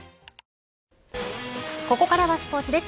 ここからスポーツです。